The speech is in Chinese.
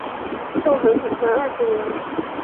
纵横体坛二十年。